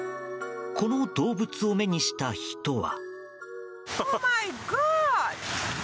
この動物を目にした人は。